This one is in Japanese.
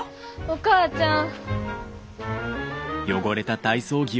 お母ちゃん！